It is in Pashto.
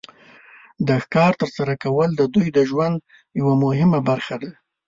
د ښکار تر سره کول د دوی د ژوند یو مهمه برخه وه.